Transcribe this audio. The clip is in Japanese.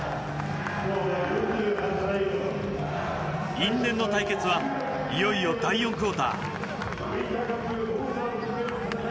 因縁の対決はいよいよ第４クオーター。